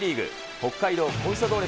北海道コンサドーレ